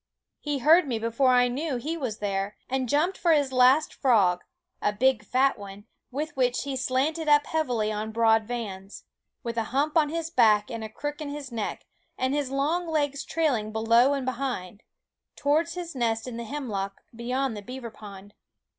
He heard me before I knew he was there, and jumped for his last frog, a big fat one, with which he slanted up heavily on broad vans with a hump on his back and a crook in his neck and his long legs trailing below and behind towards his nest in the hem lock, beyond the beaver pond.